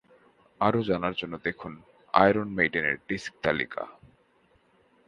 আরও জানার জন্য দেখুন আয়রন মেইডেন ডিস্ক তালিকা